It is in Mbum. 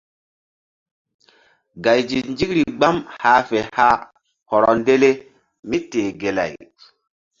Gay nzinzikri gbam hah fe hah hɔrɔ ndele míteh gelay.